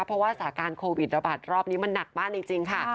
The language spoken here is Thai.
เพราะว่าสาการโควิดระบาดรอบนี้มันหนักมากจริงค่ะ